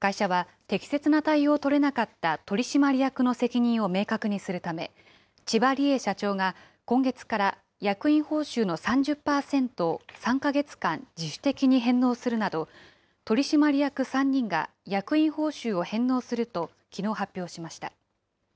会社は適切な対応を取れなかった取締役の責任を明確にするため、千葉理恵社長が今月から役員報酬の３０％を３か月間自主的に返納するなど、取締役３人が、役員報酬を返納するときのう発表しました。